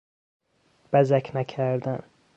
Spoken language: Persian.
بزک نکردن